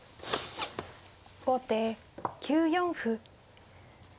後手９四歩。